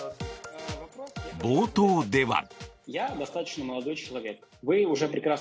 冒頭では。